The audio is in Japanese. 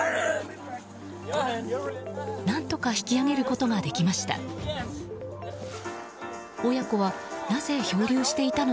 何とか引き上げることができました。